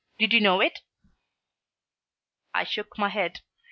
Did you know it?" I shook my head.